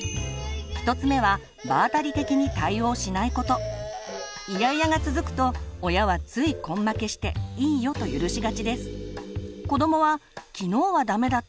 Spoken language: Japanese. １つ目はイヤイヤが続くと親はつい根負けして「いいよ」と許しがちです。